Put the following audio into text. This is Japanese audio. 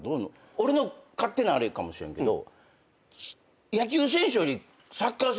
俺の勝手なあれかもしれんけど。